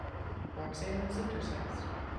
Roxanne is intersex.